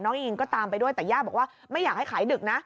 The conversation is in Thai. อิงก็ตามไปด้วยแต่ย่าบอกว่าไม่อยากให้ขายดึกนะ